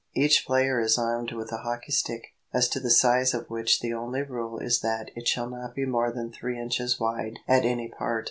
Each player is armed with a hockey stick, as to the size of which the only rule is that it shall not be more than three inches wide at any part.